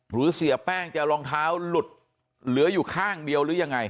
เสียแป้งจะรองเท้าหลุดเหลืออยู่ข้างเดียวหรือยังไง